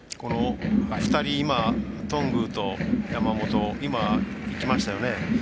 ２人、頓宮と山本今いきましたよね。